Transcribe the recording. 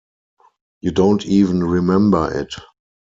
You don't even remember it.